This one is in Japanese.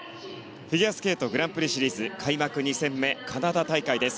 フィギュアスケートグランプリシリーズ開幕２戦目カナダ大会です。